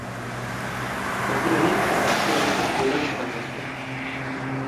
Erdilari eta atzelari postuetan jokatzen zuen.